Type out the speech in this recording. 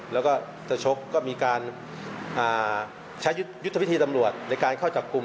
แล้วก็จะชกก็มีการใช้ยุทธวิธีตำรวจในการเข้าจับกลุ่ม